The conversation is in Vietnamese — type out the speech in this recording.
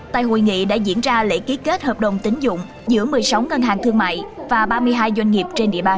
tại hội nghị đã diễn ra lễ ký kết hợp đồng tính dụng giữa một mươi sáu ngân hàng thương mại và ba mươi hai doanh nghiệp trên địa bàn